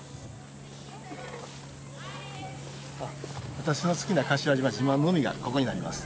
私の好きな柏島自慢の海がここになります。